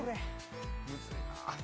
むずいな。